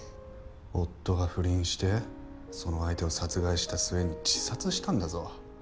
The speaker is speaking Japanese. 夫が不倫してその相手を殺害した末に自殺したんだぞ。